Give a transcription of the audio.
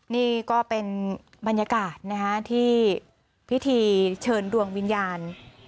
นี่ก็เป็นบรรยากาศที่พิธีเชิญดวงวิญญาณ